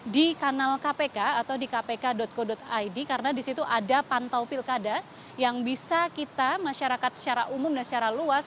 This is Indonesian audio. di kanal kpk atau di kpk co id karena di situ ada pantau pilkada yang bisa kita masyarakat secara umum dan secara luas